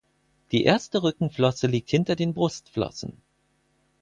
Die erste Rückenflosse liegt hinter den Brustflossen.